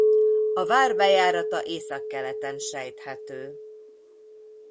A vár bejárata északkeleten sejthető.